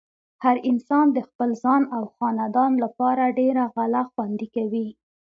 هر انسان د خپل ځان او خاندان لپاره ډېره غله خوندې کوي۔